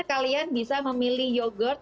kalian bisa memilih yogurt